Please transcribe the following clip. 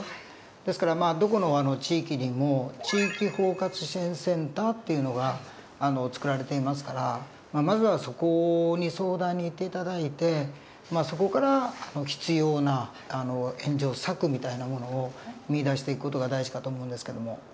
ですからどこの地域にも地域包括支援センターっていうのが作られていますからまずはそこに相談に行って頂いてそこから必要な援助策みたいなものを見いだしていく事が大事かと思うんですけども。